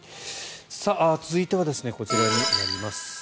続いてはこちらになります。